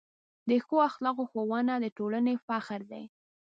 د ښو اخلاقو ښوونه د ټولنې فخر دی.